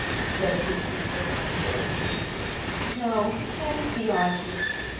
said Lucy, with a sneer. "No, that is beyond me.